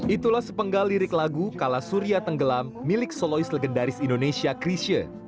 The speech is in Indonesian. itulah sepenggal lirik lagu kala surya tenggelam milik solois legendaris indonesia krisha